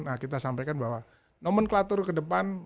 nah kita sampaikan bahwa nomenklatur ke depan